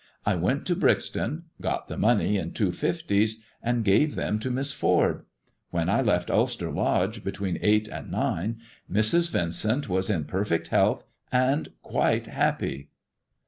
I went to Brixton, got the money in two fifties, and gave them to Miss Ford. When I left Ulster Lodge, between eight and nine, Mrs. Yincent was in perfect health, and quite happy."